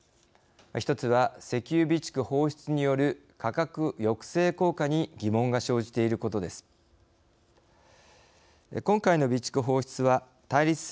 １つは石油備蓄放出による価格抑制効果に疑問が生じていることです。